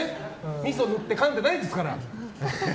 みそをぬってかんでないですから。